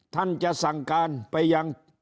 ท่านจะสั่งการไปยัง